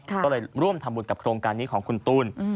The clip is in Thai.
ก็เลยร่วมทำบุญกับโครงการนี้ของคุณตูน